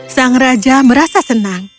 sang raja merasa senang